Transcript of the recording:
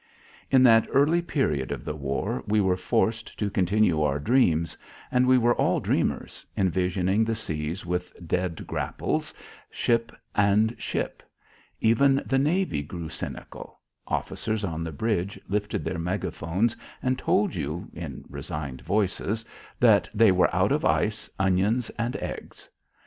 In that early period of the war we were forced to continue our dreams. And we were all dreamers, envisioning the seas with death grapples, ship and ship. Even the navy grew cynical. Officers on the bridge lifted their megaphones and told you in resigned voices that they were out of ice, onions, and eggs.